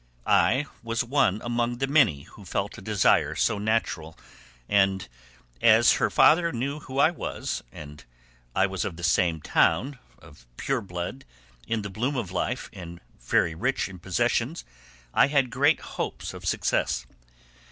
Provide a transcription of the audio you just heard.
I was one among the many who felt a desire so natural, and, as her father knew who I was, and I was of the same town, of pure blood, in the bloom of life, and very rich in possessions, I had great hopes of success.